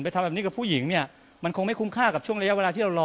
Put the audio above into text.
ทำแบบนี้กับผู้หญิงเนี่ยมันคงไม่คุ้มค่ากับช่วงระยะเวลาที่เรารอ